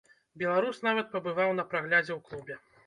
Беларус нават пабываў на праглядзе ў клубе.